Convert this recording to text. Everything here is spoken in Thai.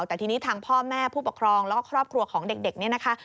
แต่ทีนี้ทางพ่อแม่ผู้ปกครองแล้วก็ครอบครัวของเด็กเนี่ยนะคะ